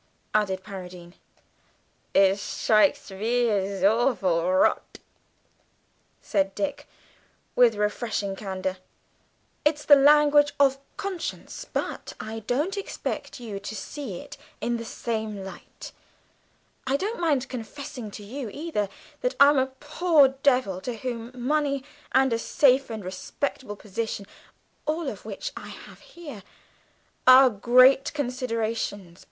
added Paradine. "It shtrikes me as awful rot," said Dick, with refreshing candour. "It's the language of conscience, but I don't expect you to see it in the same light. I don't mind confessing to you, either, that I'm a poor devil to whom money and a safe and respectable position (all of which I have here) are great considerations.